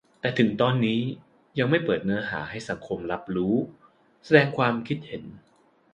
แต่ถึงตอนนี้ยังไม่เปิดเนื้อหาให้สังคมรับรู้-แสดงความคิดเห็น